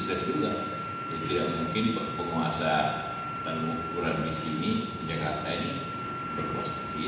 di jakarta ini berpuasa begitu